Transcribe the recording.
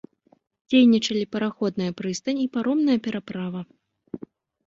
Дзейнічалі параходная прыстань і паромная пераправа.